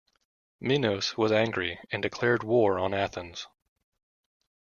Minos was angry and declared war on Athens.